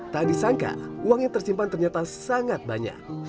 tak disangka uang yang tersimpan ternyata sangat banyak